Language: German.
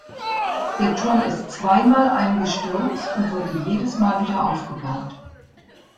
Der Turm ist zweimal eingestürzt und wurde jedes Mal wieder aufgebaut.